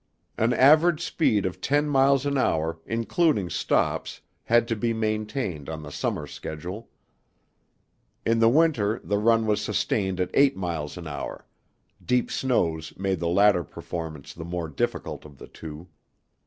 An average speed of ten miles an hour including stops had to be maintained on the summer schedule. In the winter the run was sustained at eight miles an hour; deep snows made the latter performance the more difficult of the two.